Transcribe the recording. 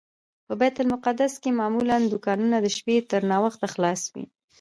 په بیت المقدس کې معمولا دوکانونه د شپې تر ناوخته خلاص وي.